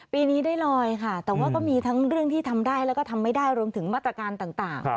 ปีนี้ได้ลอยค่ะแต่ว่าก็มีทั้งเรื่องที่ทำได้แล้วก็ทำไม่ได้รวมถึงมาตรการต่าง